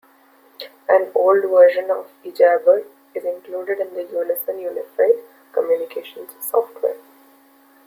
An old version of ejabberd is included in the Unison unified communications software.